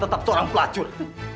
dan tetap seorang pelacur